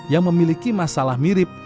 yang memiliki masalah mirip